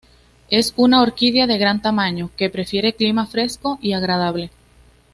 Es una orquídea de gran tamaño, que prefiere clima fresco y agradable.